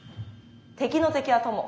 敵の敵は友。